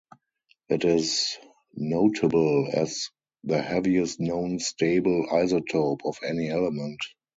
It is notable as the heaviest known stable isotope of any element.